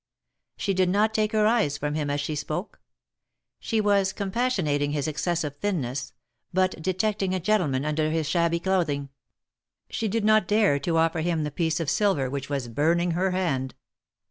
She did not take her eyes from him as she spoke. She was compassionating his excessive thinness, but detecting a gentleman under his shabby clothing, she did not dare to offer him the piece of silver which was burning her hand.